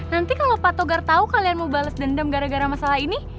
nanti kalau pak togar tahu kalian mau bales dendam gara gara masalah ini